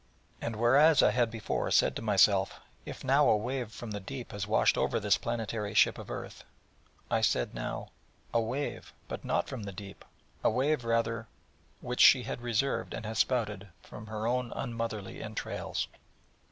And whereas I had before said to myself: 'If now a wave from the Deep has washed over this planetary ship of earth...,' I said now: 'A wave but not from the Deep: a wave rather which she had reserved, and has spouted, from her own un motherly entrails...'